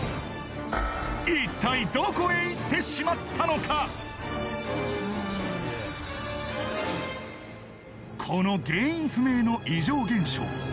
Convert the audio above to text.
一体どこへ行ってしまったのかこの原因不明の異常現象